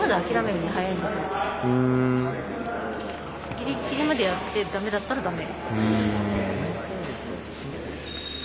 ギリギリまでやってダメだったらダメ。